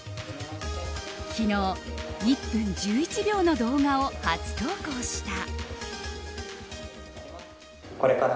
昨日、１分１１秒の動画を初投稿した。